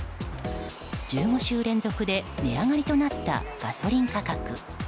１５週連続で値上がりとなったガソリン価格。